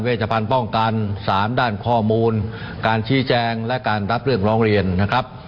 ชภัณฑ์ป้องกัน๓ด้านข้อมูลการชี้แจงและการรับเรื่องร้องเรียนนะครับ